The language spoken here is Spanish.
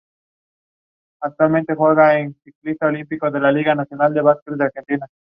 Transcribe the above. Los inventarios en cuestión fueron aceptados como satisfactorios por Euratom, la agencia regulatoria competente.